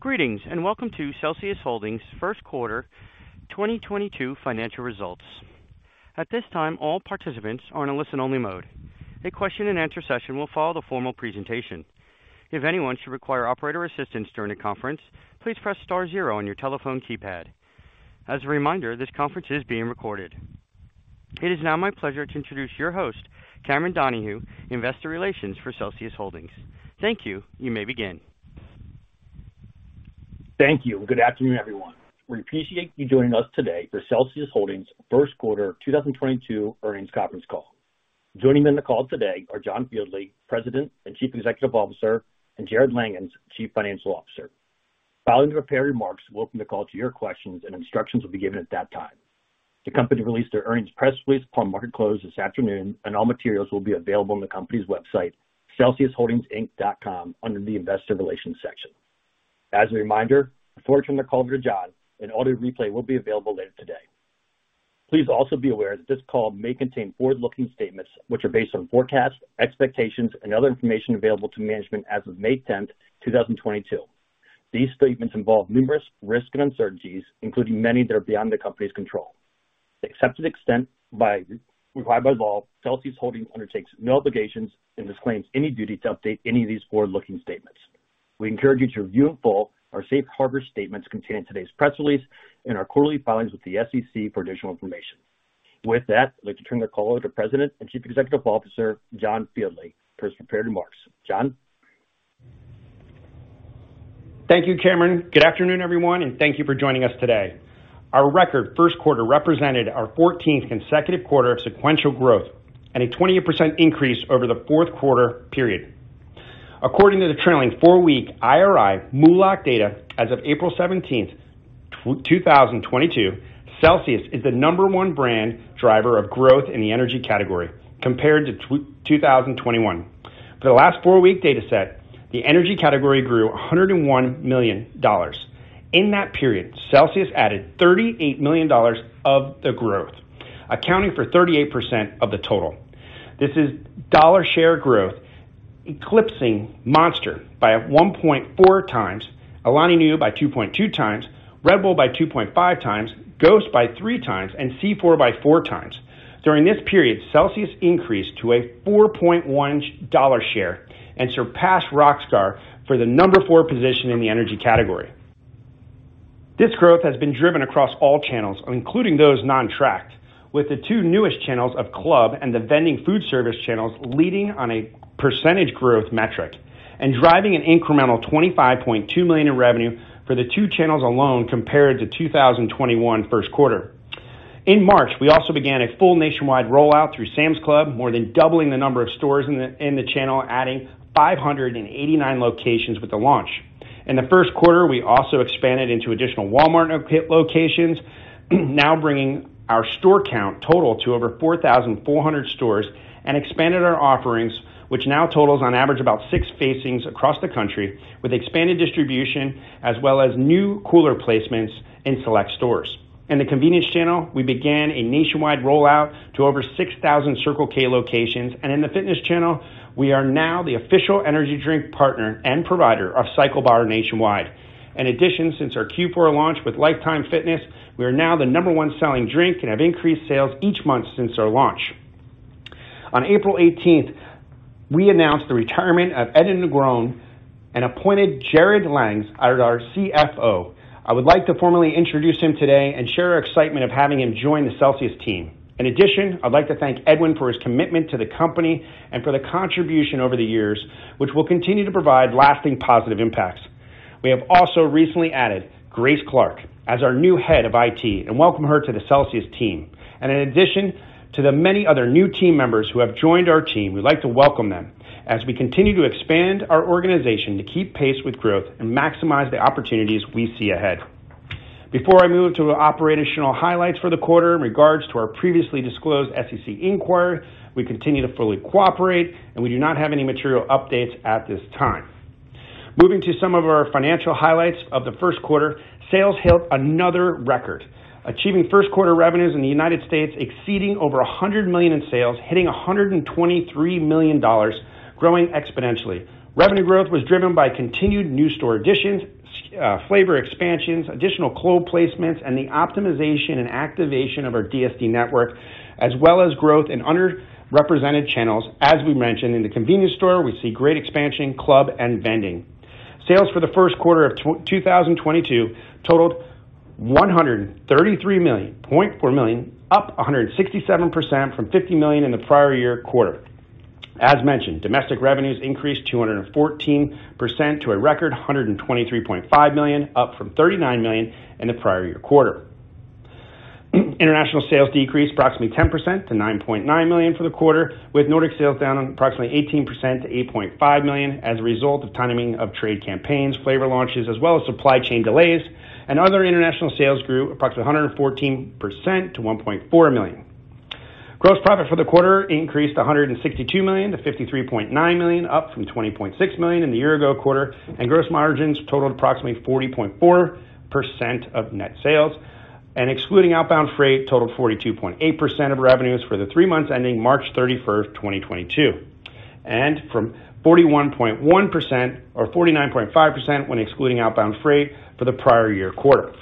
Greetings, and welcome to Celsius Holdings first quarter 2022 financial results. At this time, all participants are in a listen-only mode. A question-and-answer session will follow the formal presentation. If anyone should require operator assistance during the conference, please press star zero on your telephone keypad. As a reminder, this conference is being recorded. It is now my pleasure to introduce your host, Cameron Donahue, Investor Relations for Celsius Holdings. Thank you. You may begin. Thank you. Good afternoon, everyone. We appreciate you joining us today for Celsius Holdings first quarter 2022 earnings conference call. Joining in the call today are John Fieldly, President and Chief Executive Officer, and Jarrod Langhans, Chief Financial Officer. Following the prepared remarks, we'll open the call to your questions and instructions will be given at that time. The company released their earnings press release upon market close this afternoon, and all materials will be available on the company's website, celsiusholdingsinc.com, under the Investor Relations section. As a reminder, before turning the call to John, an audio replay will be available later today. Please also be aware that this call may contain forward-looking statements which are based on forecasts, expectations and other information available to management as of May 10th, 2022. These statements involve numerous risks and uncertainties, including many that are beyond the company's control. To the extent required by law, Celsius Holdings undertakes no obligation and disclaims any duty to update any of these forward-looking statements. We encourage you to review in full our safe harbor statements contained in today's press release and our quarterly filings with the SEC for additional information. With that, I'd like to turn the call over to President and Chief Executive Officer, John Fieldly for his prepared remarks. John? Thank you, Cameron. Good afternoon, everyone, and thank you for joining us today. Our record first quarter represented our fourteenth consecutive quarter of sequential growth and a 28% increase over the fourth quarter period. According to the trailing four-week IRI MULO+C data as of April 17th, 2022, Celsius is the number one brand driver of growth in the energy category compared to 2021. For the last four-week data set, the energy category grew $101 million. In that period, Celsius added $38 million of the growth, accounting for 38% of the total. This is dollar share growth, eclipsing Monster by 1.4x, Alani Nu by 2.2x, Red Bull by 2.5x, Ghost by 3x, and C4 by 4x. During this period, Celsius increased to a $4.1 share and surpassed Rockstar for the number four position in the energy category. This growth has been driven across all channels, including those non-tracked, with the two newest channels of club and the vending food service channels leading on a percentage growth metric and driving an incremental $25.2 million in revenue for the two channels alone compared to 2021 first quarter. In March, we also began a full nationwide rollout through Sam's Club, more than doubling the number of stores in the channel, adding 589 locations with the launch. In the first quarter, we also expanded into additional Walmart locations, now bringing our store count total to over 4,400 stores and expanded our offerings, which now totals on average about six facings across the country with expanded distribution as well as new cooler placements in select stores. In the convenience channel, we began a nationwide rollout to over 6,000 Circle K locations. In the fitness channel, we are now the official energy drink partner and provider of CycleBar nationwide. In addition, since our Q4 launch with Life Time, we are now the number-one-selling drink and have increased sales each month since our launch. On April 18th, we announced the retirement of Edwin Negron and appointed Jarrod Langhans as our CFO. I would like to formally introduce him today and share our excitement of having him join the Celsius team. In addition, I'd like to thank Edwin for his commitment to the company and for the contribution over the years, which will continue to provide lasting positive impacts. We have also recently added Grace Clark as our new head of IT and welcome her to the Celsius team. In addition to the many other new team members who have joined our team, we'd like to welcome them as we continue to expand our organization to keep pace with growth and maximize the opportunities we see ahead. Before I move to operational highlights for the quarter in regards to our previously disclosed SEC inquiry, we continue to fully cooperate, and we do not have any material updates at this time. Moving to some of our financial highlights of the first quarter, sales hit another record, achieving first quarter revenues in the United States exceeding over $100 million in sales, hitting $123 million, growing exponentially. Revenue growth was driven by continued new store additions, flavor expansions, additional club placements, and the optimization and activation of our DSD network, as well as growth in underrepresented channels. As we mentioned in the convenience store, we see great expansion, club and vending. Sales for the first quarter of 2022 totaled $133.4 million, up 167% from $50 million in the prior year quarter. As mentioned, domestic revenues increased 214% to a record $123.5 million, up from $39 million in the prior year quarter. International sales decreased approximately 10% to $9.9 million for the quarter, with Nordic sales down approximately 18% to $8.5 million as a result of timing of trade campaigns, flavor launches, as well as supply chain delays. Other international sales grew approximately 114% to $1.4 million. Gross profit for the quarter increased 162% to $53.9 million, up from $20.6 million in the year ago quarter, and gross margins totaled approximately 40.4% of net sales. Excluding outbound freight totaled 42.8% of revenues for the three months ending March 31st, 2022, and from 41.1% or 49.5% when excluding outbound freight for the prior year quarter.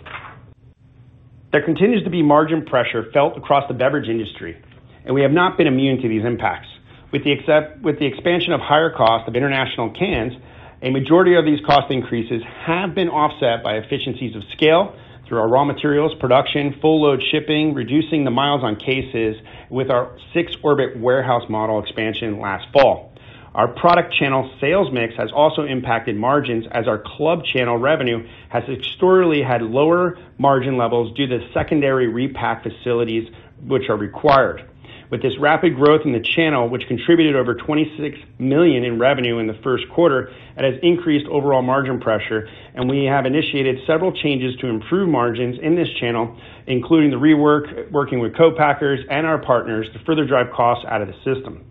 There continues to be margin pressure felt across the beverage industry, and we have not been immune to these impacts. With the expansion of higher costs of international cans, a majority of these cost increases have been offset by efficiencies of scale through our raw materials production, full load shipping, reducing the miles on cases with our six orbit warehouse model expansion last fall. Our product channel sales mix has also impacted margins as our club channel revenue has historically had lower margin levels due to secondary repack facilities which are required. With this rapid growth in the channel, which contributed over $26 million in revenue in the first quarter, it has increased overall margin pressure, and we have initiated several changes to improve margins in this channel, including the rework, working with co-packers and our partners to further drive costs out of the system.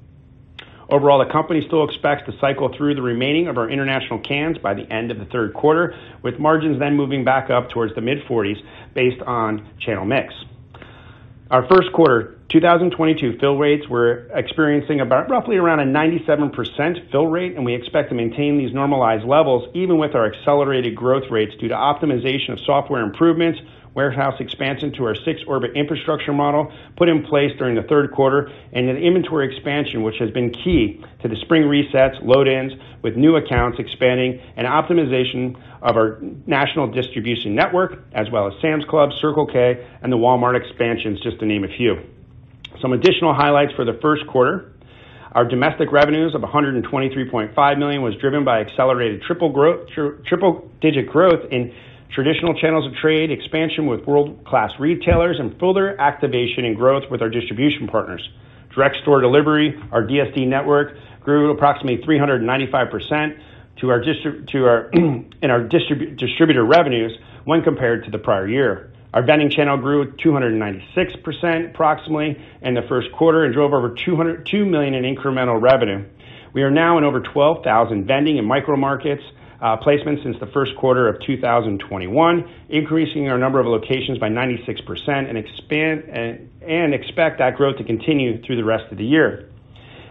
Overall, the company still expects to cycle through the remainder of our international cans by the end of the third quarter, with margins then moving back up towards the mid-40s% based on channel mix. Our first quarter 2022 fill rates were experiencing about roughly around a 97% fill rate, and we expect to maintain these normalized levels even with our accelerated growth rates due to optimization of software improvements, warehouse expansion to our six-hub infrastructure model put in place during the third quarter, and an inventory expansion which has been key to the spring resets, load-ins with new accounts expanding, and optimization of our national distribution network, as well as Sam's Club, Circle K, and the Walmart expansions, just to name a few. Some additional highlights for the first quarter. Our domestic revenues of $123.5 million was driven by accelerated triple digit growth in traditional channels of trade, expansion with world-class retailers, and further activation and growth with our distribution partners. Direct store delivery, our DSD network, grew approximately 395% to our distributor revenues when compared to the prior year. Our vending channel grew 296% approximately in the first quarter and drove over $2 million in incremental revenue. We are now in over 12,000 vending and micro markets placement since the first quarter of 2021, increasing our number of locations by 96% and expect that growth to continue through the rest of the year.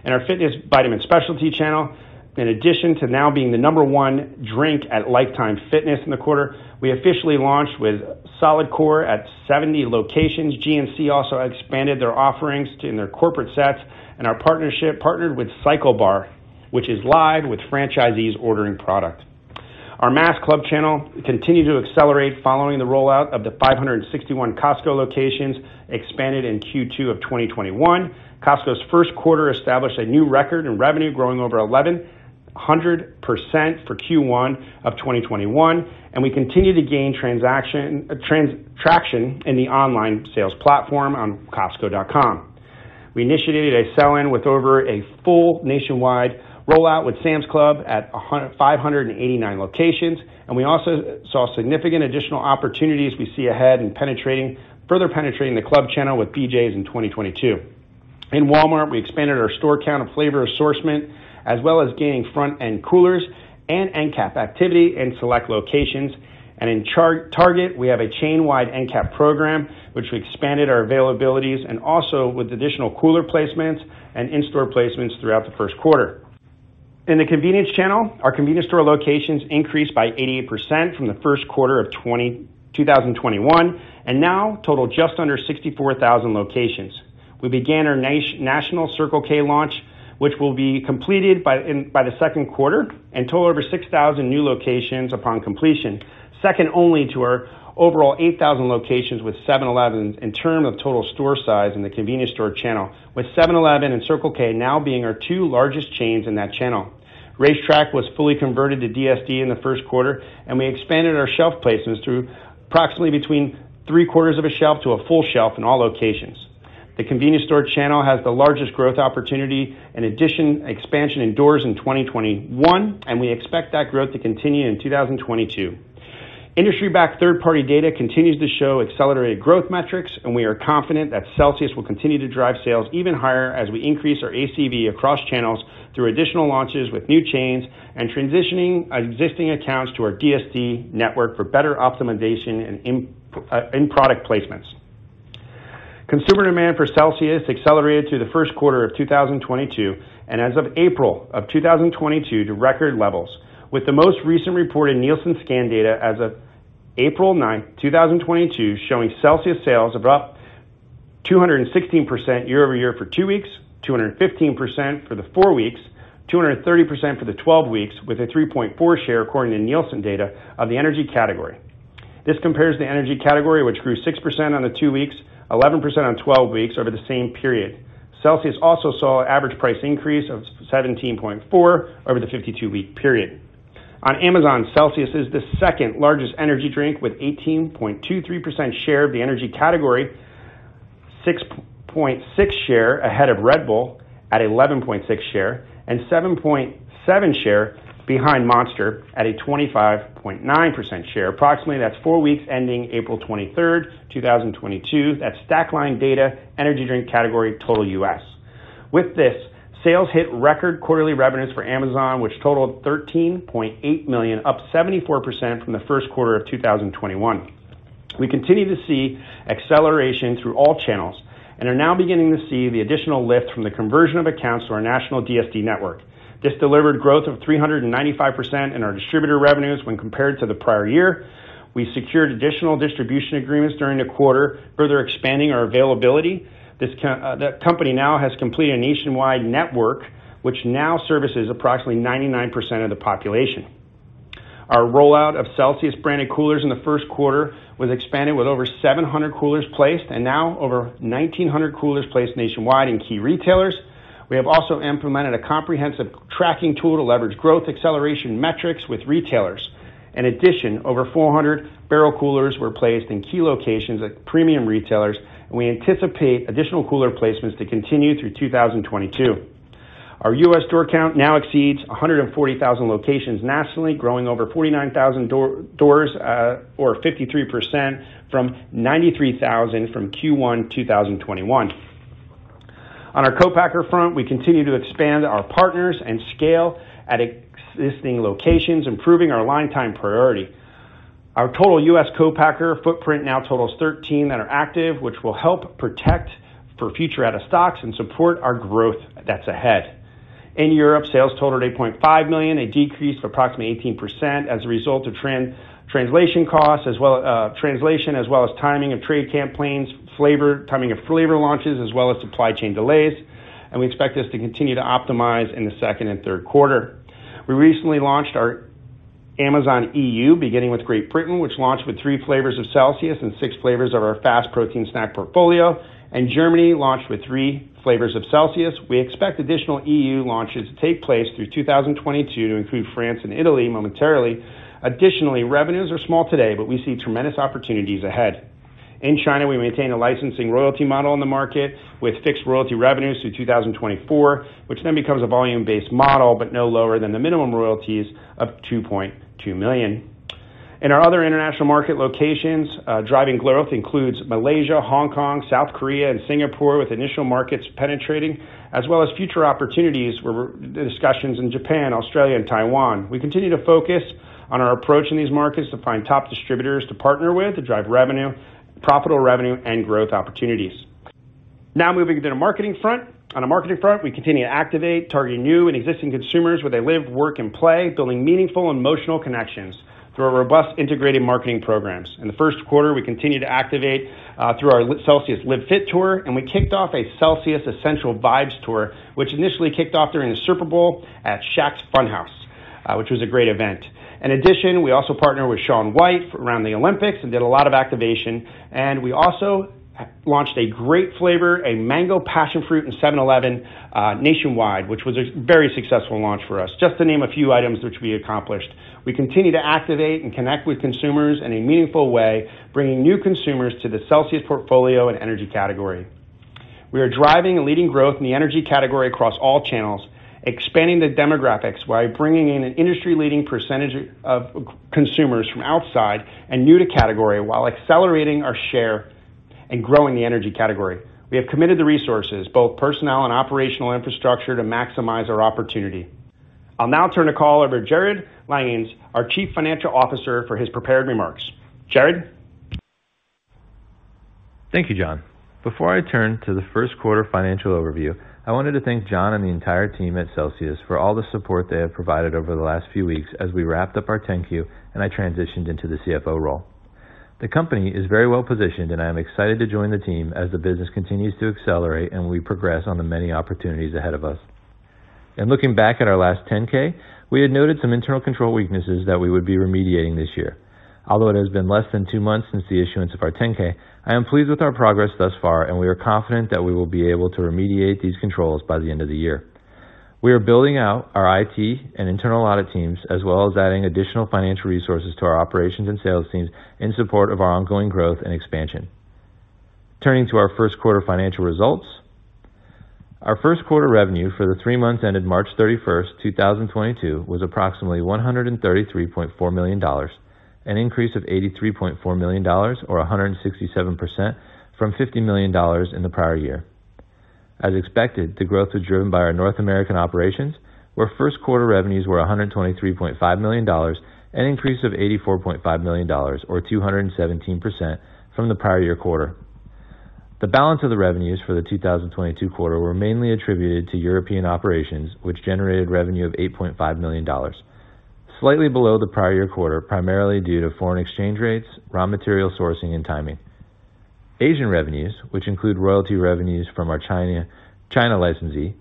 In our fitness vitamin specialty channel, in addition to now being the number-one drink at Life Time in the quarter, we officially launched with Solidcore at 70 locations. GNC also expanded their offerings to include in their corporate sets and we partnered with CycleBar, which is live with franchisees ordering product. Our mass club channel continued to accelerate following the rollout of the 561 Costco locations expanded in Q2 of 2021. Costco's first quarter established a new record in revenue, growing over 1,100% for Q1 of 2021, and we continue to gain traction in the online sales platform on costco.com. We initiated a sell-in with over a full nationwide rollout with Sam's Club at 589 locations. We also saw significant additional opportunities we see ahead in further penetrating the club channel with BJ's in 2022. In Walmart, we expanded our store count of flavor assortment, as well as gaining front-end coolers and end cap activity in select locations. In Target, we have a chain-wide end cap program, which we expanded our availabilities and also with additional cooler placements and in-store placements throughout the first quarter. In the convenience channel, our convenience store locations increased by 88% from the first quarter of 2021, and now total just under 64,000 locations. We began our national Circle K launch, which will be completed by the second quarter and total over 6,000 new locations upon completion, second only to our overall 8,000 locations with 7-Eleven in terms of total store size in the convenience store channel, with 7-Eleven and Circle K now being our two largest chains in that channel. RaceTrac was fully converted to DSD in the first quarter, and we expanded our shelf placements to approximately between three-quarters of a shelf to a full shelf in all locations. The convenience store channel has the largest growth opportunity and additional expansion indoors in 2021, and we expect that growth to continue in 2022. Industry-backed third-party data continues to show accelerated growth metrics, and we are confident that Celsius will continue to drive sales even higher as we increase our ACV across channels through additional launches with new chains and transitioning existing accounts to our DSD network for better optimization in product placements. Consumer demand for Celsius accelerated through the first quarter of 2022, and as of April of 2022 to record levels, with the most recent reported Nielsen scan data as of April 9th, 2022, showing Celsius sales of up 216% year-over-year for two weeks, 215% for the four weeks, 230% for the 12 weeks, with a 3.4 share according to Nielsen data of the energy category. This compares to the energy category which grew 6% over the two weeks, 11% over 12 weeks over the same period. Celsius also saw average price increase of 17.4% over the 52-week period. On Amazon, Celsius is the second largest energy drink with 18.23% share of the energy category, 6.6% share ahead of Red Bull at 11.6% share, and 7.7% share behind Monster at 25.9% share. Approximately that's four weeks ending April 23rd, 2022. That's Stackline data, energy drink category, total U.S. With this, sales hit record quarterly revenues for Amazon, which totaled $13.8 million, up 74% from the first quarter of 2021. We continue to see acceleration through all channels and are now beginning to see the additional lift from the conversion of accounts to our national DSD network. This delivered growth of 395% in our distributor revenues when compared to the prior year. We secured additional distribution agreements during the quarter, further expanding our availability. The company now has completed a nationwide network which now services approximately 99% of the population. Our rollout of Celsius branded coolers in the first quarter was expanded with over 700 coolers placed, and now over 1,900 coolers placed nationwide in key retailers. We have also implemented a comprehensive tracking tool to leverage growth acceleration metrics with retailers. In addition, over 400 barrel coolers were placed in key locations at premium retailers, and we anticipate additional cooler placements to continue through 2022. Our U.S. store count now exceeds 140,000 locations nationally, growing over 49,000 doors, or 53% from 93,000 from Q1 2021. On our co-packer front, we continue to expand our partners and scale at existing locations, improving our line time priority. Our total U.S. co-packer footprint now totals 13 that are active, which will help protect for future out of stocks and support our growth that's ahead. In Europe, sales totaled $8.5 million, a decrease of approximately 18% as a result of translation costs as well as timing of trade campaigns, timing of flavor launches as well as supply chain delays, and we expect this to continue to optimize in the second and third quarter. We recently launched our Amazon EU, beginning with Great Britain, which launched with three flavors of Celsius and six flavors of our FAST protein snack portfolio. In Germany, launched with three flavors of Celsius. We expect additional EU launches to take place through 2022 to include France and Italy momentarily. Additionally, revenues are small today, but we see tremendous opportunities ahead. In China, we maintain a licensing royalty model in the market with fixed royalty revenues through 2024, which then becomes a volume-based model, but no lower than the minimum royalties of $2.2 million. In our other international market locations, driving growth includes Malaysia, Hong Kong, South Korea, and Singapore with initial markets penetrating, as well as future opportunities where we're in discussions in Japan, Australia, and Taiwan. We continue to focus on our approach in these markets to find top distributors to partner with to drive revenue, profitable revenue, and growth opportunities. Now moving to the marketing front. On a marketing front, we continue to activate targeting new and existing consumers where they live, work, and play, building meaningful and emotional connections through a robust integrated marketing programs. In the first quarter, we continued to activate through our CELSIUS Live Fit Tour, and we kicked off a Celsius Essential Vibes tour, which initially kicked off during the Super Bowl at Shaq's Fun House, which was a great event. In addition, we also partnered with Shaun White around the Olympics and did a lot of activation, and we also launched a great flavor, a Mango Passionfruit in 7-Eleven, nationwide, which was a very successful launch for us, just to name a few items which we accomplished. We continue to activate and connect with consumers in a meaningful way, bringing new consumers to the Celsius portfolio and energy category. We are driving and leading growth in the energy category across all channels, expanding the demographics by bringing in an industry-leading percentage of consumers from outside and new to category while accelerating our share and growing the energy category. We have committed the resources, both personnel and operational infrastructure, to maximize our opportunity. I'll now turn the call over to Jarrod Langhans, our Chief Financial Officer, for his prepared remarks. Jarrod? Thank you, John. Before I turn to the first quarter financial overview, I wanted to thank John and the entire team at Celsius for all the support they have provided over the last few weeks as we wrapped up our 10-Q and I transitioned into the CFO role. The company is very well positioned, and I am excited to join the team as the business continues to accelerate and we progress on the many opportunities ahead of us. In looking back at our last 10-K, we had noted some internal control weaknesses that we would be remediating this year. Although it has been less than two months since the issuance of our 10-K, I am pleased with our progress thus far, and we are confident that we will be able to remediate these controls by the end of the year. We are building out our IT and internal audit teams, as well as adding additional financial resources to our operations and sales teams in support of our ongoing growth and expansion. Turning to our first quarter financial results. Our first quarter revenue for the three months ended March 31st, 2022, was approximately $133.4 million, an increase of $83.4 million or 167% from $50 million in the prior year. As expected, the growth was driven by our North American operations, where first quarter revenues were $123.5 million, an increase of $84.5 million or 217% from the prior year quarter. The balance of the revenues for the 2022 quarter were mainly attributed to European operations, which generated revenue of $8.5 million. Slightly below the prior year quarter, primarily due to foreign exchange rates, raw material sourcing and timing. Asian revenues, which include royalty revenues from our China licensee,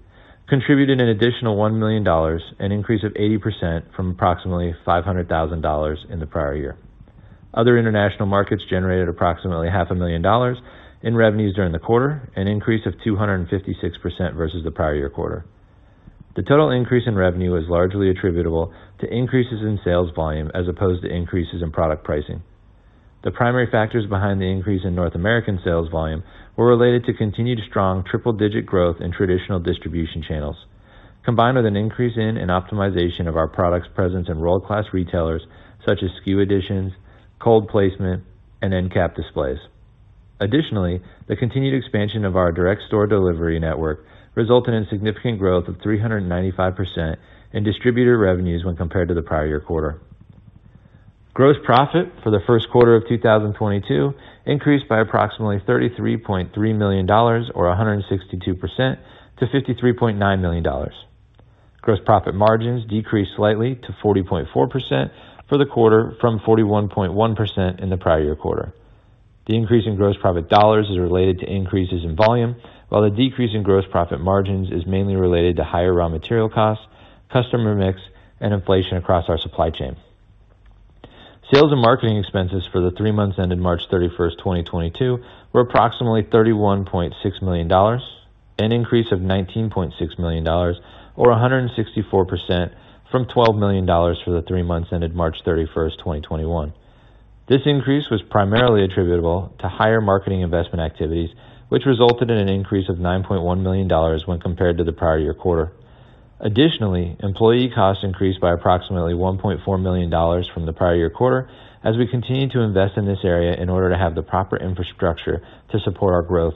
contributed an additional $1 million, an increase of 80% from approximately $500,000 in the prior year. Other international markets generated approximately half a million dollars in revenues during the quarter, an increase of 256% versus the prior year quarter. The total increase in revenue is largely attributable to increases in sales volume as opposed to increases in product pricing. The primary factors behind the increase in North American sales volume were related to continued strong triple-digit growth in traditional distribution channels, combined with an increase in and optimization of our products presence in world-class retailers such as 7-Eleven, cold placement, and end cap displays. Additionally, the continued expansion of our direct store delivery network resulted in significant growth of 395% in distributor revenues when compared to the prior year quarter. Gross profit for the first quarter of 2022 increased by approximately $33.3 million or 162% to $53.9 million. Gross profit margins decreased slightly to 40.4% for the quarter from 41.1% in the prior year quarter. The increase in gross profit dollars is related to increases in volume, while the decrease in gross profit margins is mainly related to higher raw material costs, customer mix, and inflation across our supply chain. Sales and marketing expenses for the three months ended March 31st, 2022 were approximately $31.6 million, an increase of $19.6 million or 164% from $12 million for the three months ended March 31st, 2021. This increase was primarily attributable to higher marketing investment activities, which resulted in an increase of $9.1 million when compared to the prior year quarter. Additionally, employee costs increased by approximately $1.4 million from the prior year quarter as we continue to invest in this area in order to have the proper infrastructure to support our growth.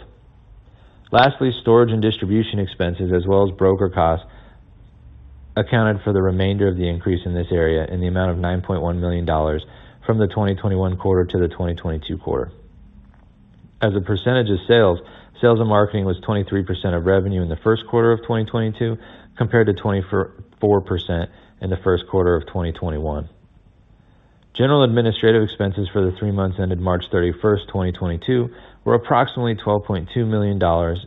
Lastly, storage and distribution expenses as well as broker costs accounted for the remainder of the increase in this area in the amount of $9.1 million from the 2021 quarter to the 2022 quarter. As a percentage of sales and marketing was 23% of revenue in the first quarter of 2022, compared to 24% in the first quarter of 2021. General and administrative expenses for the three months ended March 31st, 2022 were approximately $12.2 million,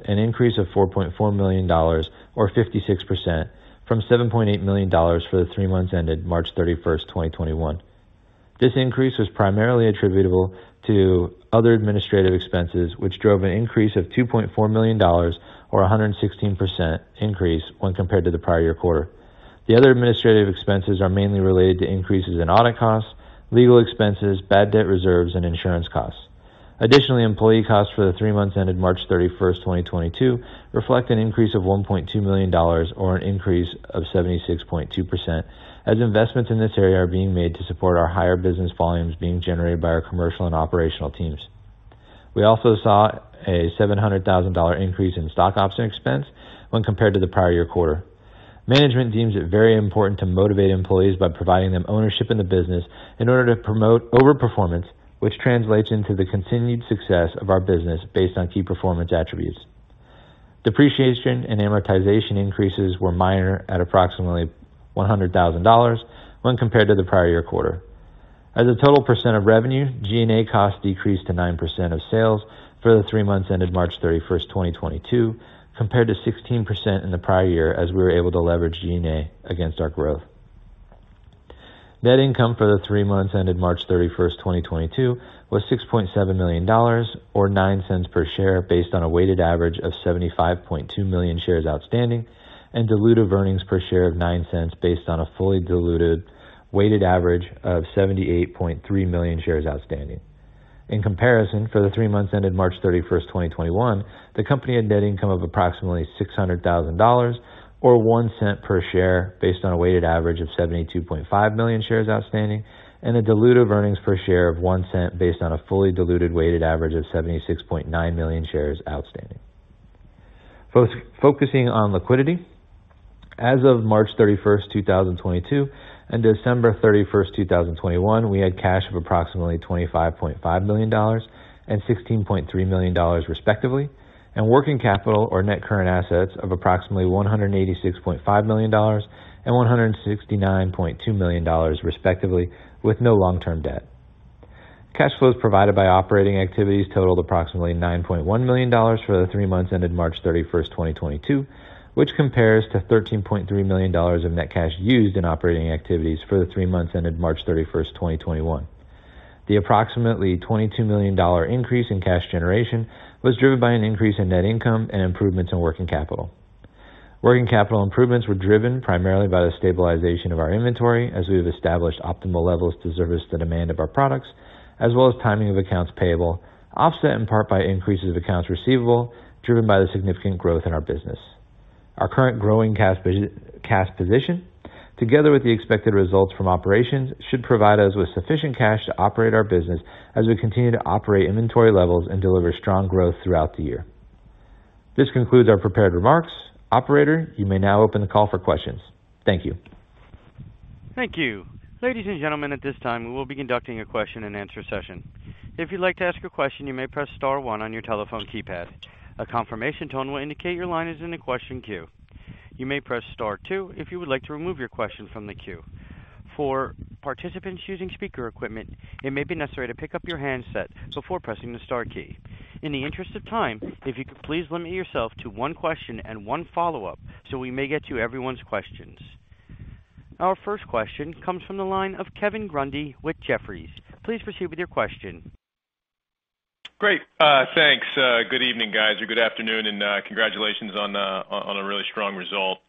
an increase of $4.4 million or 56% from $7.8 million for the three months ended March 31st, 2021. This increase was primarily attributable to other administrative expenses, which drove an increase of $2.4 million or a 116% increase when compared to the prior year quarter. The other administrative expenses are mainly related to increases in audit costs, legal expenses, bad debt reserves, and insurance costs. Employee costs for the three months ended March 31st, 2022 reflect an increase of $1.2 million or an increase of 76.2% as investments in this area are being made to support our higher business volumes being generated by our commercial and operational teams. We also saw a $700,000 increase in stock option expense when compared to the prior year quarter. Management deems it very important to motivate employees by providing them ownership in the business in order to promote over performance, which translates into the continued success of our business based on key performance attributes. Depreciation and amortization increases were minor at approximately $100,000 when compared to the prior year quarter. As a total percent of revenue, G&A costs decreased to 9% of sales for the three months ended March 31st, 2022, compared to 16% in the prior year as we were able to leverage G&A against our growth. Net income for the three months ended March 31st, 2022 was $6.7 million or $0.09 per share, based on a weighted average of 75.2 million shares outstanding and dilutive earnings per share of $0.09 based on a fully diluted weighted average of 78.3 million shares outstanding. In comparison, for the three months ended March 31st, 2021, the company had net income of approximately $600,000 or $0.01 per share based on a weighted average of 72.5 million shares outstanding and a diluted earnings per share of $0.01 based on a fully diluted weighted average of 76.9 million shares outstanding. Focusing on liquidity, as of March 31st, 2022 and December 31st, 2021, we had cash of approximately $25.5 million and $16.3 million, respectively, and working capital or net current assets of approximately $186.5 million and $169.2 million, respectively, with no long-term debt. Cash flows provided by operating activities totaled approximately $9.1 million for the three months ended March 31st, 2022, which compares to $13.3 million of net cash used in operating activities for the three months ended March 31st, 2021. The approximately $22 million dollar increase in cash generation was driven by an increase in net income and improvements in working capital. Working capital improvements were driven primarily by the stabilization of our inventory as we have established optimal levels to service the demand of our products, as well as timing of accounts payable, offset in part by increases of accounts receivable driven by the significant growth in our business. Our current growing cash position, together with the expected results from operations, should provide us with sufficient cash to operate our business as we continue to optimize inventory levels and deliver strong growth throughout the year. This concludes our prepared remarks. Operator, you may now open the call for questions. Thank you. Thank you. Ladies and gentlemen, at this time, we will be conducting a question-and-answer session. If you'd like to ask a question, you may press star one on your telephone keypad. A confirmation tone will indicate your line is in the question queue. You may press star two if you would like to remove your question from the queue. For participants using speaker equipment, it may be necessary to pick up your handset before pressing the star key. In the interest of time, if you could please limit yourself to one question and one follow-up so we may get to everyone's questions. Our first question comes from the line of Kevin Grundy with Jefferies. Please proceed with your question. Great. Thanks. Good evening, guys, or good afternoon, and congratulations on a really strong result.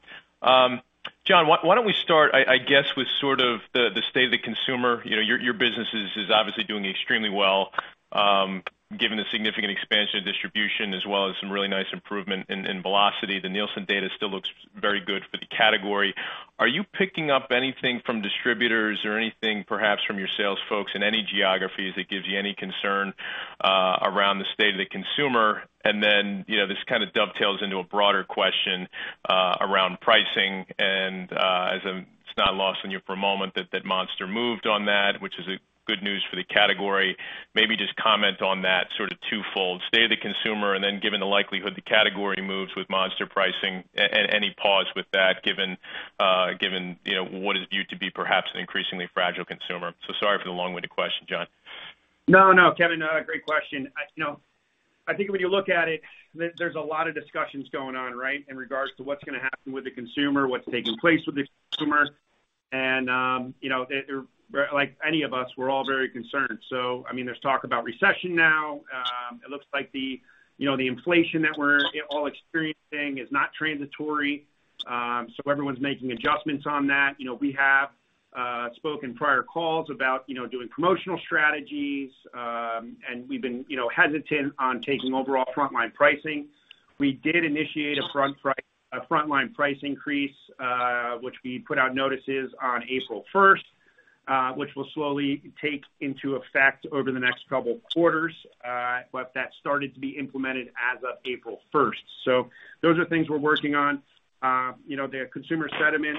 John, why don't we start, I guess, with sort of the state of the consumer. You know, your business is obviously doing extremely well, given the significant expansion of distribution as well as some really nice improvement in velocity. The Nielsen data still looks very good for the category. Are you picking up anything from distributors or anything perhaps from your sales folks in any geographies that gives you any concern around the state of the consumer? You know, this kind of dovetails into a broader question around pricing. It's not lost on you for a moment that Monster moved on that, which is a good news for the category. Maybe just comment on that sort of twofold, state of the consumer, and then given the likelihood the category moves with Monster pricing and any pause with that given, you know, what is viewed to be perhaps an increasingly fragile consumer. Sorry for the long-winded question, John. No, Kevin, great question. You know, I think when you look at it, there's a lot of discussions going on, right? In regards to what's gonna happen with the consumer, what's taking place with the consumer. You know, like any of us, we're all very concerned. I mean, there's talk about recession now. It looks like the inflation that we're all experiencing is not transitory. Everyone's making adjustments on that. You know, we have spoken prior calls about doing promotional strategies. We've been hesitant on taking overall frontline pricing. We did initiate a frontline price increase, which we put out notices on April 1st, which will slowly take into effect over the next couple quarters. That started to be implemented as of April 1st. Those are things we're working on. You know, the consumer sentiment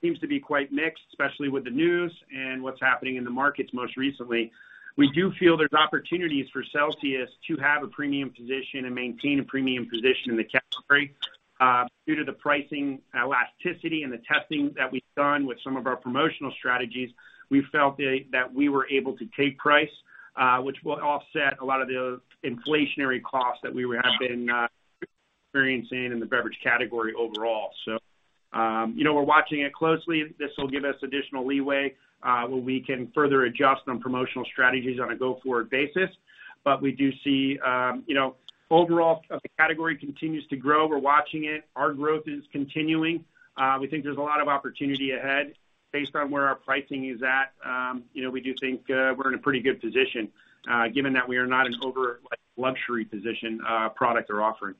seems to be quite mixed, especially with the news and what's happening in the markets most recently. We do feel there's opportunities for Celsius to have a premium position and maintain a premium position in the category, due to the pricing elasticity and the testing that we've done with some of our promotional strategies. We felt that we were able to take price, which will offset a lot of the inflationary costs that we have been experiencing in the beverage category overall. You know, we're watching it closely. This will give us additional leeway, where we can further adjust on promotional strategies on a go-forward basis. We do see, you know, overall the category continues to grow. We're watching it. Our growth is continuing. We think there's a lot of opportunity ahead based on where our pricing is at. You know, we do think we're in a pretty good position, given that we are not an overly luxurious product or offering.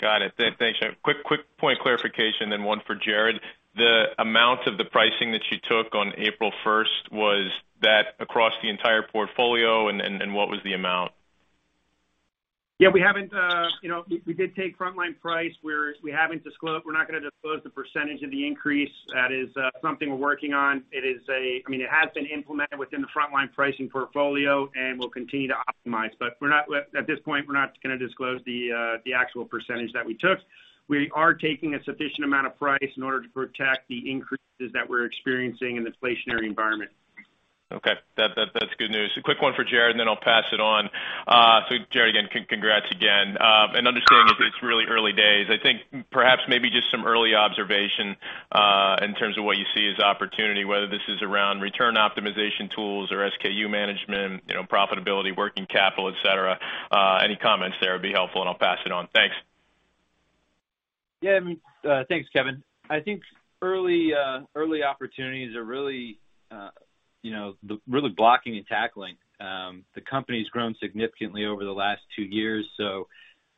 Got it. Thanks. Quick point clarification then one for Jarrod. The amount of the pricing that you took on April 1st, was that across the entire portfolio and what was the amount? Yeah, we haven't, you know, we did take frontline price. We're not gonna disclose the percentage of the increase. That is something we're working on. It is. I mean, it has been implemented within the frontline pricing portfolio, and we'll continue to optimize. But at this point, we're not gonna disclose the actual percentage that we took. We are taking a sufficient amount of price in order to protect the increases that we're experiencing in the inflationary environment. Okay. That's good news. A quick one for Jarrod, and then I'll pass it on. Jarrod, again, congrats again, and understanding that it's really early days. I think perhaps maybe just some early observation in terms of what you see as opportunity, whether this is around return optimization tools or SKU management, you know, profitability, working capital, et cetera. Any comments there would be helpful, and I'll pass it on. Thanks. Yeah. Thanks, Kevin. I think early opportunities are really, you know, really blocking and tackling. The company's grown significantly over the last two years,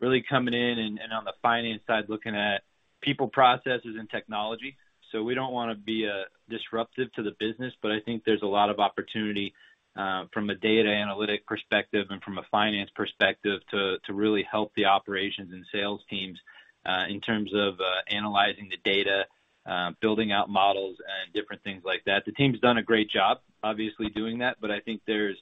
really coming in and on the finance side, looking at people, processes, and technology. We don't wanna be disruptive to the business, but I think there's a lot of opportunity from a data analytics perspective and from a finance perspective to really help the operations and sales teams in terms of analyzing the data, building out models and different things like that. The team's done a great job, obviously, doing that, but I think there's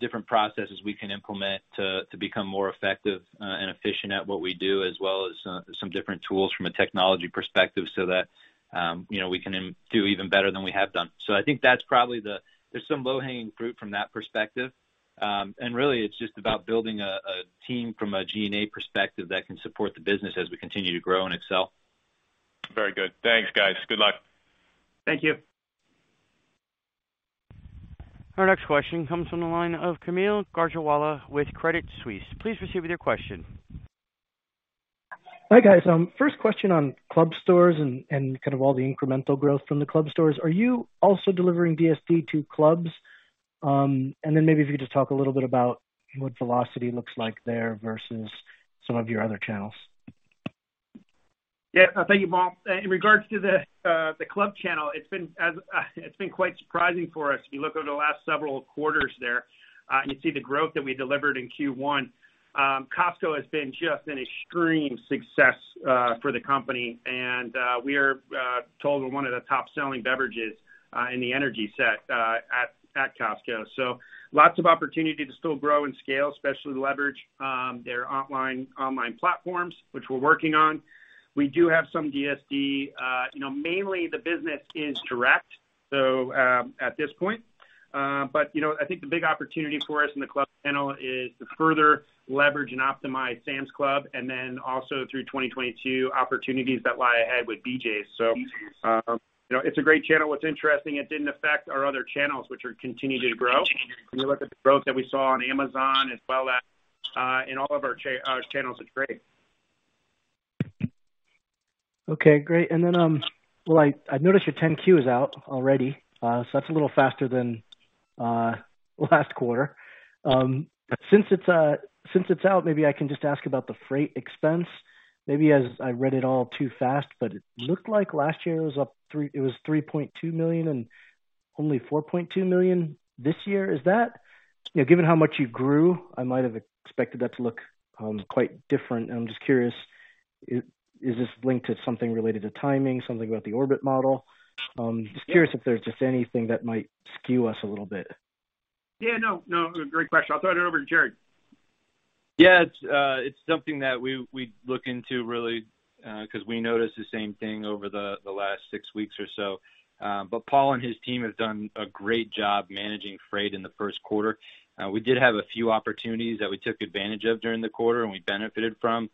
different processes we can implement to become more effective, and efficient at what we do, as well as, some different tools from a technology perspective so that, you know, we can do even better than we have done. I think that's probably. There's some low-hanging fruit from that perspective. Really it's just about building a team from a G&A perspective that can support the business as we continue to grow and excel. Very good. Thanks, guys. Good luck. Thank you. Our next question comes from the line of Kaumil Gajrawala with Credit Suisse. Please proceed with your question. Hi, guys. First question on club stores and kind of all the incremental growth from the club stores. Are you also delivering DSD to clubs? Maybe if you could just talk a little bit about what velocity looks like there versus some of your other channels. Yeah. Thank you, Kaumil. In regards to the club channel, it's been quite surprising for us. If you look over the last several quarters there, you see the growth that we delivered in Q1. Costco has been just an extreme success for the company, and we are told we're one of the top-selling beverages in the energy set at Costco. So lots of opportunity to still grow and scale, especially leverage their online platforms, which we're working on. We do have some DSD. You know, mainly the business is direct, so at this point. But you know, I think the big opportunity for us in the club channel is to further leverage and optimize Sam's Club and then also through 2022 opportunities that lie ahead with BJ's. you know, it's a great channel. What's interesting, it didn't affect our other channels, which are continuing to grow. When you look at the growth that we saw on Amazon as well as in all of our channels, it's great. Okay, great. I noticed your 10-Q is out already, so that's a little faster than last quarter. Since it's out, maybe I can just ask about the freight expense. Maybe as I read it all too fast, but it looked like last year it was $3.2 million and only $4.2 million this year. Is that? You know, given how much you grew, I might have expected that to look quite different. I'm just curious, is this linked to something related to timing, something about the orbit model? Just curious if there's just anything that might skew us a little bit. Yeah, no. Great question. I'll throw it over to Jarrod. Yeah. It's something that we look into really, 'cause we noticed the same thing over the last six weeks or so. Paul and his team have done a great job managing freight in the first quarter. We did have a few opportunities that we took advantage of during the quarter, and we benefited from.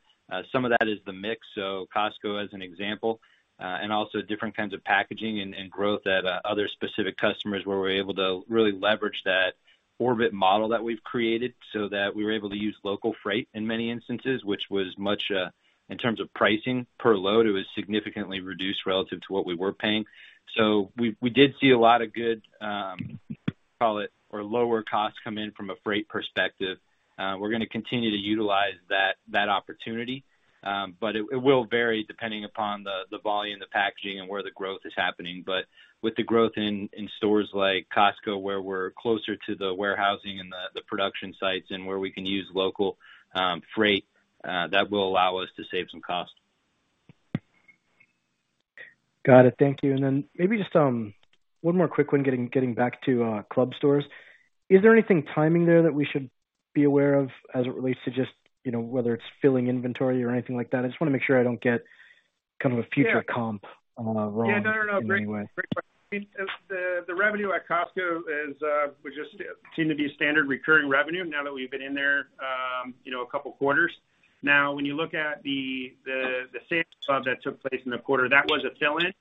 Some of that is the mix, so Costco as an example, and also different kinds of packaging and growth at other specific customers where we're able to really leverage that orbit model that we've created so that we were able to use local freight in many instances, which was much in terms of pricing per load. It was significantly reduced relative to what we were paying. We did see a lot of good, call it, or lower costs come in from a freight perspective. We're gonna continue to utilize that opportunity. It will vary depending upon the volume, the packaging and where the growth is happening. With the growth in stores like Costco, where we're closer to the warehousing and the production sites and where we can use local freight, that will allow us to save some cost. Got it. Thank you. Maybe just one more quick one getting back to club stores. Is there anything timing there that we should be aware of as it relates to just, you know, whether it's filling inventory or anything like that? I just wanna make sure I don't get kind of a future comp wrong in any way. Yeah. No, no. Great question. I mean, the revenue at Costco is we just seem to be standard recurring revenue now that we've been in there, you know, a couple quarters. Now when you look at the Sam's Club that took place in the quarter, that was a fill-in,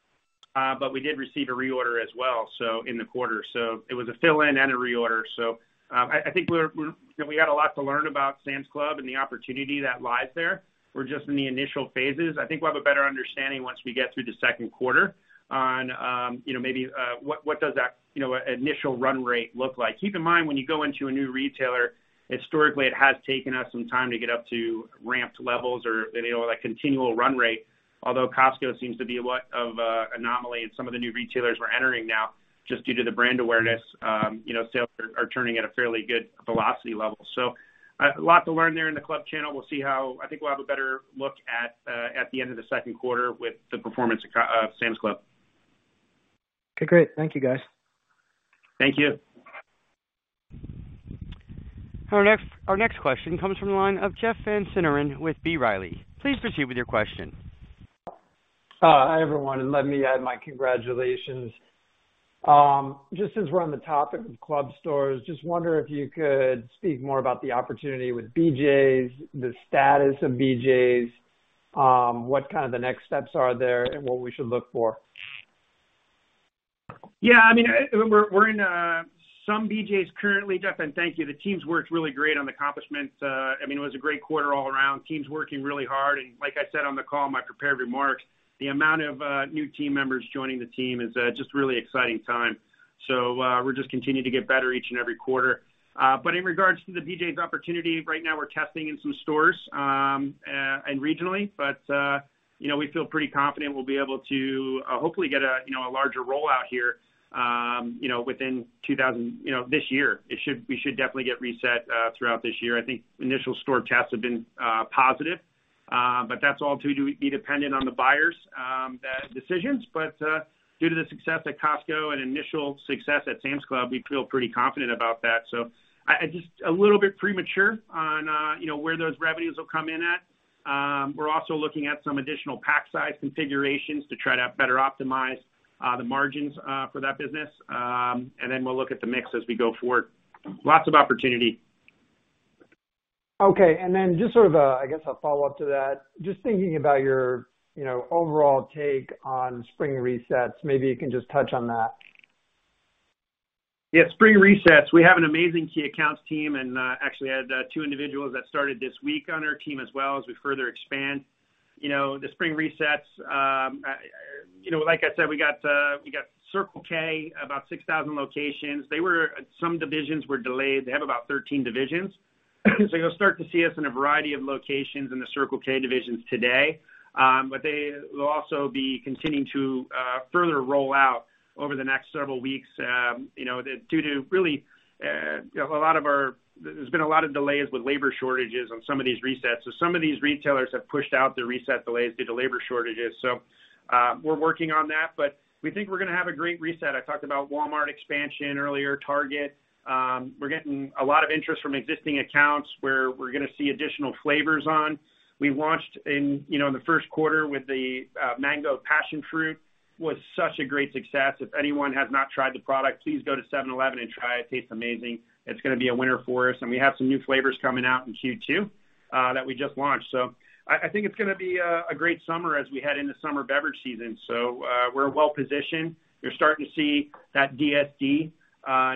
but we did receive a reorder as well, so in the quarter. I think we're... You know, we had a lot to learn about Sam's Club and the opportunity that lies there. We're just in the initial phases. I think we'll have a better understanding once we get through the second quarter on, you know, maybe what does that initial run rate look like. Keep in mind when you go into a new retailer, historically, it has taken us some time to get up to ramped levels or, you know, that continual run rate. Although Costco seems to be a lot an anomaly in some of the new retailers we're entering now, just due to the brand awareness, you know, sales are turning at a fairly good velocity level. A lot to learn there in the club channel. We'll see how. I think we'll have a better look at the end of the second quarter with the performance at Sam's Club. Okay, great. Thank you, guys. Thank you. Our next question comes from the line of Jeff Van Sinderen with B. Riley. Please proceed with your question. Hi, everyone, let me add my congratulations. Just since we're on the topic of club stores, just wonder if you could speak more about the opportunity with BJ's, the status of BJ's, what kind of the next steps are there and what we should look for. Yeah, I mean, we're in some BJ's currently, Jeff, and thank you. The team's worked really great on the accomplishments. I mean, it was a great quarter all around. Team's working really hard. Like I said on the call, my prepared remarks, the amount of new team members joining the team is just really exciting time. We're just continuing to get better each and every quarter. In regards to the BJ's opportunity, right now we're testing in some stores and regionally, but you know, we feel pretty confident we'll be able to hopefully get a you know, a larger rollout here you know, within this year. We should definitely get reset throughout this year. I think initial store tests have been positive, but that's all to be dependent on the buyers' decisions. Due to the success at Costco and initial success at Sam's Club, we feel pretty confident about that. It's just a little bit premature on you know where those revenues will come in at. We're also looking at some additional pack size configurations to try to better optimize the margins for that business. Then we'll look at the mix as we go forward. Lots of opportunity. Okay. Then just sort of a, I guess, a follow-up to that, just thinking about your, you know, overall take on spring resets, maybe you can just touch on that. Yeah. Spring resets. We have an amazing key accounts team and actually had two individuals that started this week on our team as we further expand. You know, the spring resets, you know, like I said, we got Circle K, about 6,000 locations. Some divisions were delayed. They have about 13 divisions. So you'll start to see us in a variety of locations in the Circle K divisions today. But they will also be continuing to further roll out over the next several weeks, you know, due to really. There's been a lot of delays with labor shortages on some of these resets. So some of these retailers have pushed out their reset delays due to labor shortages. We're working on that, but we think we're gonna have a great reset. I talked about Walmart expansion earlier, Target. We're getting a lot of interest from existing accounts where we're gonna see additional flavors on. We launched in, you know, in the first quarter with the Mango Passionfruit, was such a great success. If anyone has not tried the product, please go to 7-Eleven and try it. Tastes amazing. It's gonna be a winner for us. We have some new flavors coming out in Q2, that we just launched. I think it's gonna be a great summer as we head into summer beverage season. We're well-positioned. You're starting to see that DSD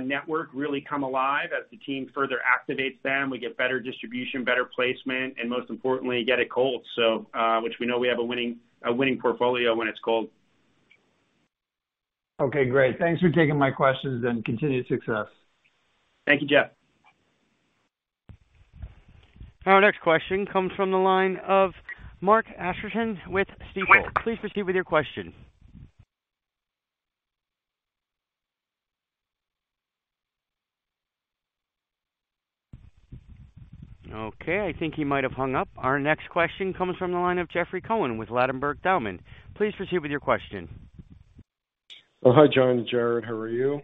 network really come alive as the team further activates them. We get better distribution, better placement, and most importantly, get it cold, which we know we have a winning portfolio when it's cold. Okay, great. Thanks for taking my questions and continued success. Thank you, Jeff. Our next question comes from the line of Mark Astrachan with Stifel. Please proceed with your question. Okay, I think he might have hung up. Our next question comes from the line of Jeffrey Cohen with Ladenburg Thalmann. Please proceed with your question. Oh, hi, John, Jarrod. How are you?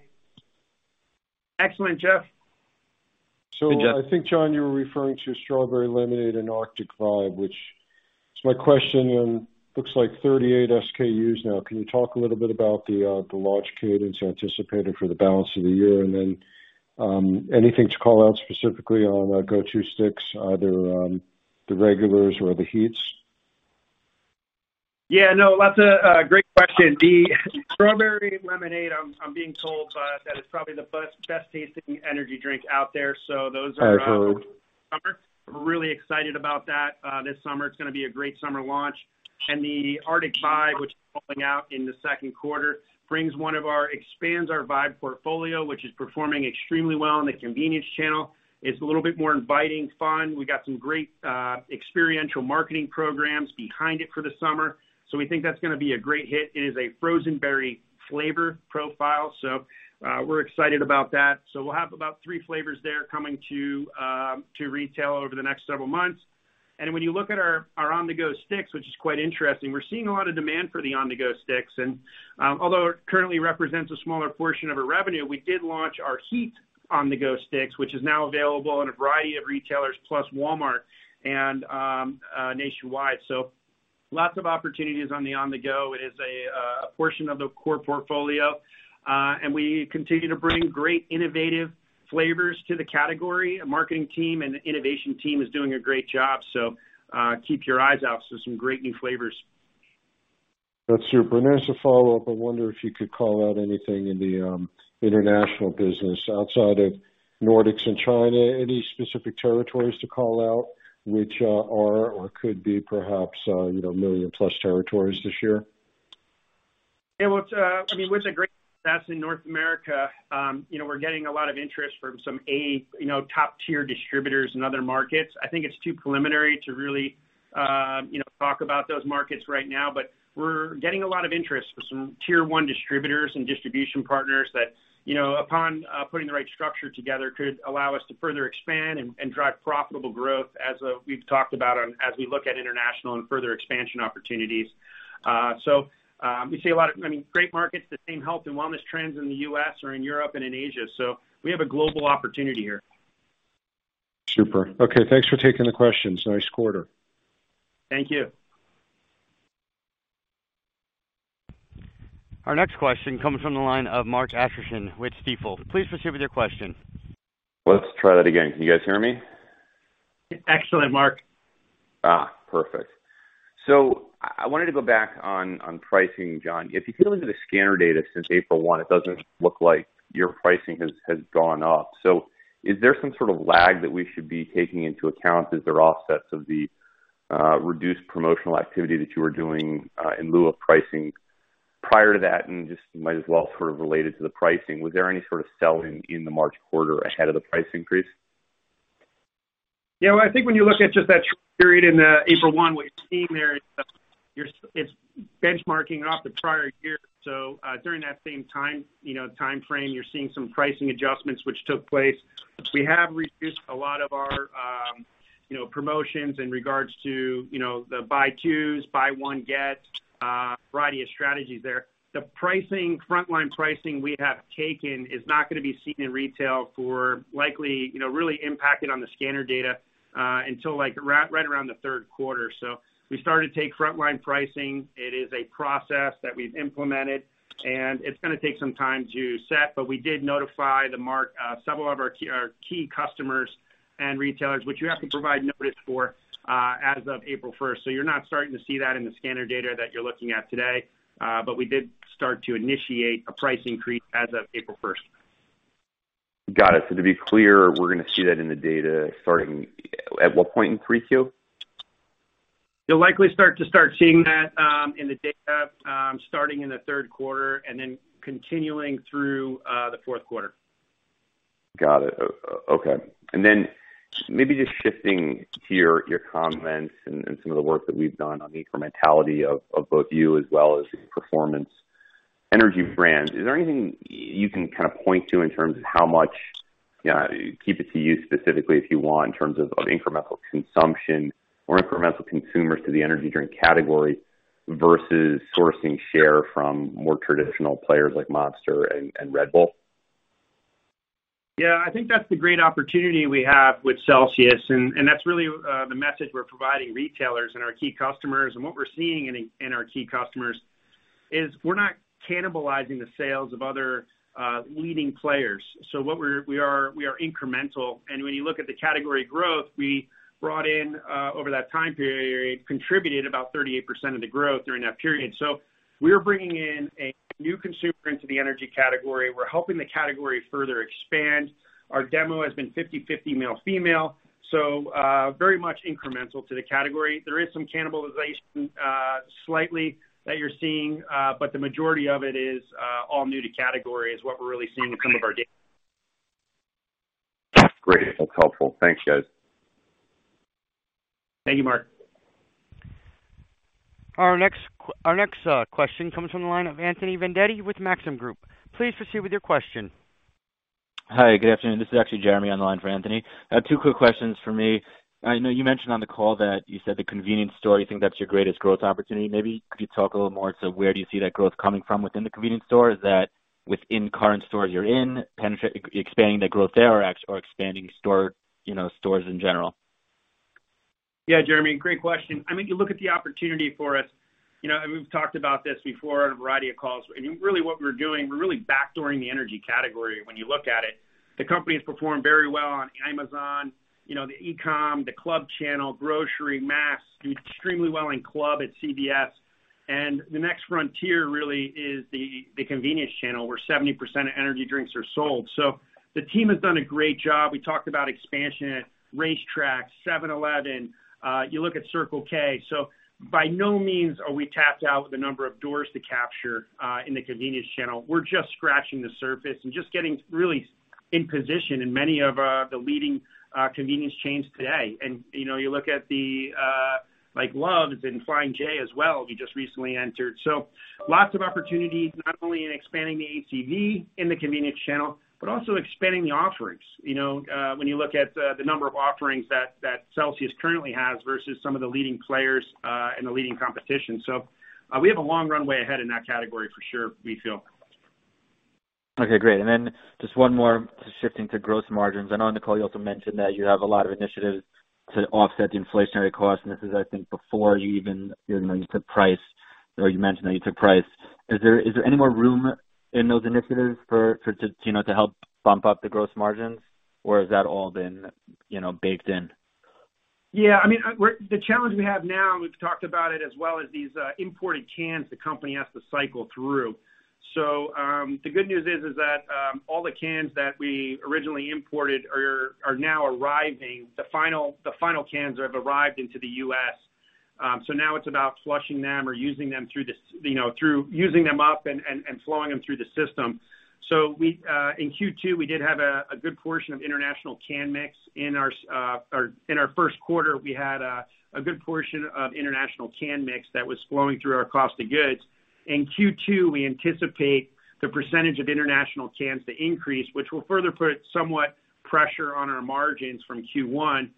Excellent, Jeff. I think, John, you were referring to Strawberry Lemonade and Arctic Vibe, which is my question. Looks like 38 SKUs now. Can you talk a little bit about the launch cadence anticipated for the balance of the year? Then, anything to call out specifically on On-the-Go sticks, either on the regulars or the Heats? Yeah, no, that's a great question. The Strawberry Lemonade, I'm being told, that it's probably the best tasting energy drink out there. So those are- I agree. We're really excited about that this summer. It's gonna be a great summer launch. The Arctic Vibe, which is rolling out in the second quarter, expands our Vibe portfolio, which is performing extremely well in the convenience channel. It's a little bit more inviting fun. We got some great experiential marketing programs behind it for the summer. We think that's gonna be a great hit. It is a frozen berry flavor profile, so we're excited about that. We'll have about three flavors there coming to retail over the next several months. When you look at our on-the-go sticks, which is quite interesting. We're seeing a lot of demand for the on-the-go sticks. Although it currently represents a smaller portion of our revenue, we did launch our CELSIUS HEAT on-the-go sticks, which is now available in a variety of retailers plus Walmart and nationwide. Lots of opportunities on the on-the-go. It is a portion of the core portfolio. And we continue to bring great innovative flavors to the category. Our marketing team and innovation team is doing a great job. Keep your eyes out for some great new flavors. That's super. As a follow-up, I wonder if you could call out anything in the international business outside of Nordics and China. Any specific territories to call out which are or could be perhaps you know, a million-plus territories this year? Yeah. Well, it's, I mean, with the great success in North America, you know, we're getting a lot of interest from some, you know, top tier distributors in other markets. I think it's too preliminary to really, you know, talk about those markets right now. We're getting a lot of interest from some tier one distributors and distribution partners that, you know, upon putting the right structure together could allow us to further expand and drive profitable growth as we've talked about as we look at international and further expansion opportunities. We see a lot of, I mean, great markets, the same health and wellness trends in the U.S. Or in Europe and in Asia. We have a global opportunity here. Super. Okay, thanks for taking the questions. Nice quarter. Thank you. Our next question comes from the line of Mark Astrachan with Stifel. Please proceed with your question. Let's try that again. Can you guys hear me? Excellent, Mark. Perfect. I wanted to go back on pricing, John. If you can look at the scanner data since April 1, it doesn't look like your pricing has gone up. Is there some sort of lag that we should be taking into account as there are offsets of the reduced promotional activity that you were doing in lieu of pricing prior to that? You might as well sort of relate it to the pricing. Was there any sort of sell-in in the March quarter ahead of the price increase? Yeah. Well, I think when you look at just that short period in the April 1, what you're seeing there is, it's benchmarking off the prior year. During that same time, you know, timeframe, you're seeing some pricing adjustments which took place. We have reduced a lot of our, you know, promotions in regards to, you know, the buy 2s, buy 1, get, a variety of strategies there. The pricing, frontline pricing we have taken is not gonna be seen in retail until it likely, you know, really impacts the scanner data, like, right around the third quarter. We started to take frontline pricing. It is a process that we've implemented, and it's gonna take some time to set. We did notify several of our key customers and retailers, which you have to provide notice for, as of April 1st. You're not starting to see that in the scanner data that you're looking at today. We did start to initiate a price increase as of April 1st. Got it. To be clear, we're gonna see that in the data starting at what point in 3Q? You'll likely start seeing that in the data, starting in the third quarter and then continuing through the fourth quarter. Got it. Okay. Maybe just shifting to your comments and some of the work that we've done on the incrementality of both you as well as your performance energy brands. Is there anything you can kind of point to in terms of how much keep it to you specifically if you want, in terms of incremental consumption or incremental consumers to the energy drink category versus sourcing share from more traditional players like Monster and Red Bull? Yeah, I think that's the great opportunity we have with Celsius, and that's really the message we're providing retailers and our key customers. What we're seeing in our key customers is we're not cannibalizing the sales of other leading players. We are incremental. When you look at the category growth, we brought in, over that time period, contributed about 38% of the growth during that period. We're bringing in a new consumer into the energy category. We're helping the category further expand. Our demo has been 50/50 male/female, so very much incremental to the category. There is some cannibalization slightly that you're seeing, but the majority of it is all new to category is what we're really seeing in some of our data. Great. That's helpful. Thanks, guys. Thank you, Mark. Our next question comes from the line of Anthony Vendetti with Maxim Group. Please proceed with your question. Hi, good afternoon. This is actually Jeremy on the line for Anthony. I have two quick questions for me. I know you mentioned on the call that you said the convenience store, you think that's your greatest growth opportunity. Maybe could you talk a little more to where do you see that growth coming from within the convenience store? Is that within current stores you're in, expanding the growth there or expanding stores, you know, stores in general? Yeah, Jeremy, great question. I mean, you look at the opportunity for us, you know, and we've talked about this before on a variety of calls. I mean, really what we're doing, we're really backdooring the energy category when you look at it. The company has performed very well on Amazon, you know, the e-com, the club channel, grocery, mass, extremely well in club at CVS. The next frontier really is the convenience channel where 70% of energy drinks are sold. So the team has done a great job. We talked about expansion at RaceTrac, 7-Eleven, you look at Circle K. So by no means are we tapped out with the number of doors to capture in the convenience channel. We're just scratching the surface and just getting really in position in many of the leading convenience chains today. You know, you look at the like, Love's and Pilot Flying J as well, we just recently entered. Lots of opportunities, not only in expanding the ACV in the convenience channel, but also expanding the offerings. You know, when you look at the number of offerings that Celsius currently has versus some of the leading players, and the leading competition. We have a long runway ahead in that category for sure, we feel. Okay, great. Just one more, just shifting to gross margins. I know, Nicole, you also mentioned that you have a lot of initiatives to offset the inflationary cost, and this is, I think, before you even, you know, you took price or you mentioned that you took price. Is there any more room in those initiatives for to, you know, to help bump up the gross margins? Or has that all been, you know, baked in? Yeah. I mean, the challenge we have now, and we've talked about it as well, is these imported cans the company has to cycle through. The good news is that all the cans that we originally imported are now arriving. The final cans have arrived into the U.S. Now it's about flushing them or using them through this, you know, through using them up and flowing them through the system. In Q2, we did have a good portion of international can mix. In our first quarter, we had a good portion of international can mix that was flowing through our cost of goods. In Q2, we anticipate the percentage of international cans to increase, which will further put somewhat pressure on our margins from Q1.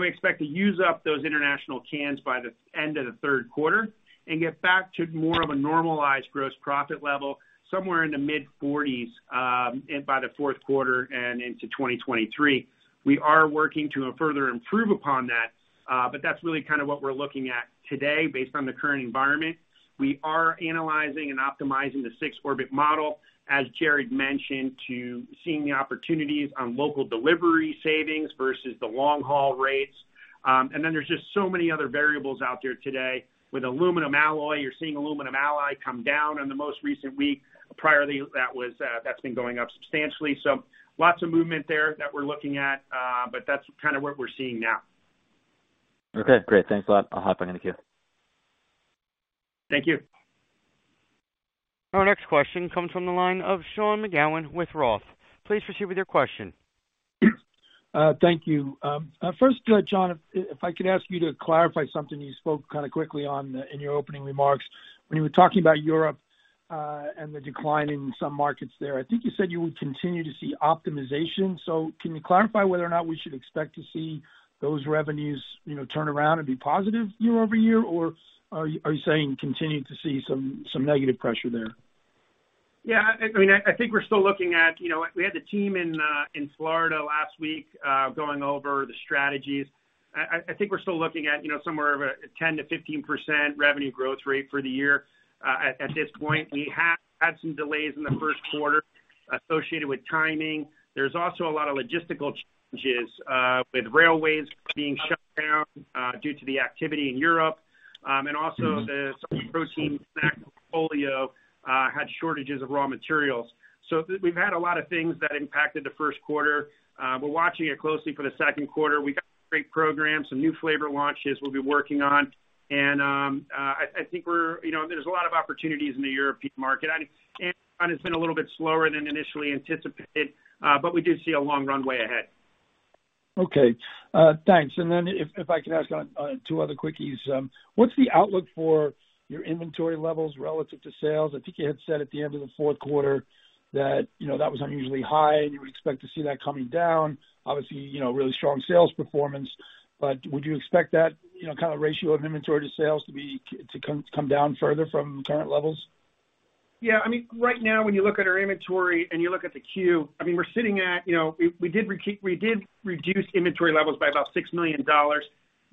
We expect to use up those international cans by the end of the third quarter and get back to more of a normalized gross profit level somewhere in the mid-40s%, and by the fourth quarter and into 2023. We are working to further improve upon that, but that's really kind of what we're looking at today based on the current environment. We are analyzing and optimizing the six orbit model, as Jarrod mentioned, to seeing the opportunities on local delivery savings versus the long-haul rates. There's just so many other variables out there today. With aluminum alloy, you're seeing aluminum alloy come down in the most recent week. Prior to that's been going up substantially. So lots of movement there that we're looking at, but that's kind of what we're seeing now. Okay, great. Thanks a lot. I'll hop back in the queue. Thank you. Our next question comes from the line of Sean McGowan with ROTH. Please proceed with your question. Thank you. First, John, if I could ask you to clarify something you spoke kind of quickly on in your opening remarks when you were talking about Europe and the decline in some markets there. I think you said you would continue to see optimization. Can you clarify whether or not we should expect to see those revenues, you know, turn around and be positive year-over-year? Or are you saying you continue to see some negative pressure there? Yeah. I mean, I think we're still looking at, you know. We had the team in Florida last week going over the strategies. I think we're still looking at, you know, somewhere over 10%-15% revenue growth rate for the year, at this point. We have had some delays in the first quarter associated with timing. There's also a lot of logistical changes with railways being shut down due to the activity in Europe, and also the protein snack portfolio had shortages of raw materials. We've had a lot of things that impacted the first quarter. We're watching it closely for the second quarter. We got great programs, some new flavor launches we'll be working on. I think we're, you know, there's a lot of opportunities in the European market. I mean, it has been a little bit slower than initially anticipated, but we do see a long runway ahead. Okay. Thanks. Then if I could ask on two other quickies. What's the outlook for your inventory levels relative to sales? I think you had said at the end of the fourth quarter that, you know, that was unusually high and you would expect to see that coming down. Obviously, you know, really strong sales performance. Would you expect that, you know, kind of ratio of inventory to sales to come down further from current levels? Yeah, I mean, right now, when you look at our inventory and you look at the queue, I mean, we're sitting at, you know, we did reduce inventory levels by about $6 million.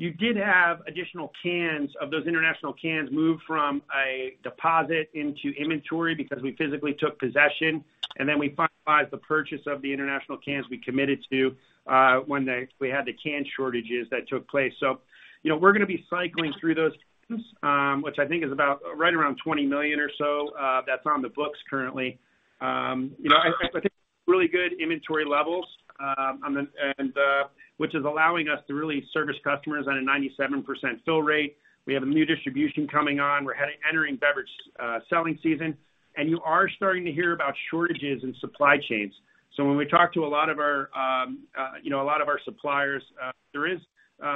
You did have additional cans of those international cans moved from a deposit into inventory because we physically took possession and then we finalized the purchase of the international cans we committed to, when we had the can shortages that took place. You know, we're gonna be cycling through those, which I think is about right around $20 million or so, that's on the books currently. You know, I think really good inventory levels, which is allowing us to really service customers on a 97% fill rate. We have a new distribution coming on. We're heading into beverage selling season, and you are starting to hear about shortages in supply chains. When we talk to a lot of our suppliers, there is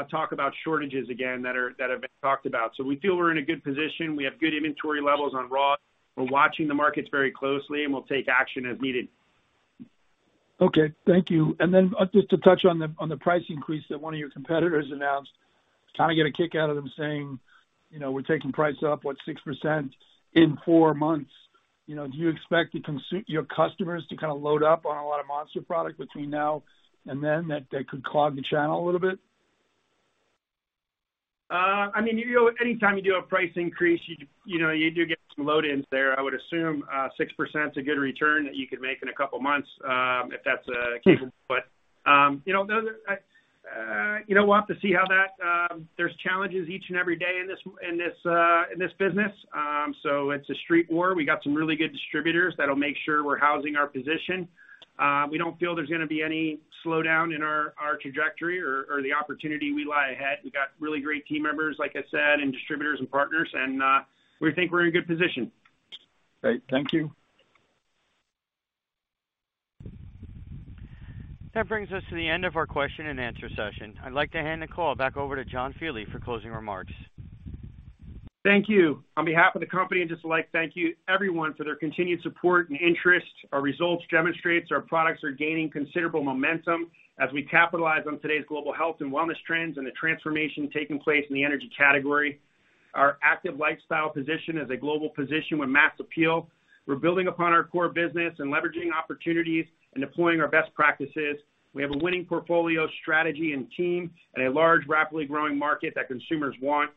talk about shortages again that have been talked about. We feel we're in a good position. We have good inventory levels on raw. We're watching the markets very closely, and we'll take action as needed. Okay, thank you. Just to touch on the price increase that one of your competitors announced, kind of get a kick out of them saying, you know, we're taking price up, what, 6% in four months. You know, do you expect your customers to kind of load up on a lot of Monster product between now and then that could clog the channel a little bit? I mean, you know, anytime you do a price increase, you know, you do get some load in there. I would assume, 6% is a good return that you could make in a couple of months, if that's achievable. You know, we'll have to see how that. There's challenges each and every day in this business. It's a street war. We got some really good distributors that'll make sure we're holding our position. We don't feel there's gonna be any slowdown in our trajectory or the opportunity that lie ahead. We got really great team members, like I said, and distributors and partners and we think we're in a good position. Great. Thank you. That brings us to the end of our question-and-answer session. I'd like to hand the call back over to John Fieldly for closing remarks. Thank you. On behalf of the company, I'd just like to thank you everyone for their continued support and interest. Our results demonstrates our products are gaining considerable momentum as we capitalize on today's global health and wellness trends and the transformation taking place in the energy category. Our active lifestyle position is a global position with mass appeal. We're building upon our core business and leveraging opportunities and deploying our best practices. We have a winning portfolio strategy and team and a large, rapidly growing market that consumers want.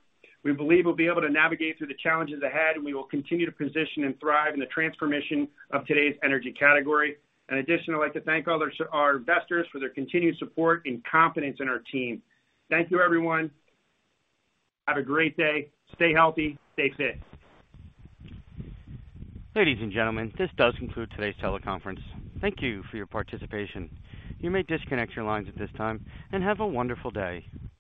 We believe we'll be able to navigate through the challenges ahead, and we will continue to position and thrive in the transformation of today's energy category. In addition, I'd like to thank all our investors for their continued support and confidence in our team. Thank you everyone. Have a great day. Stay healthy. Stay fit. Ladies and gentlemen, this does conclude today's teleconference. Thank you for your participation. You may disconnect your lines at this time, and have a wonderful day.